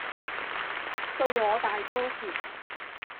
對我大哥說，